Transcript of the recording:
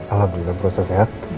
alhamdulillah bu rosa sehat